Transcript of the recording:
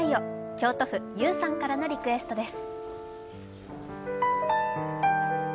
京都府ゆーさんからのリクエストです。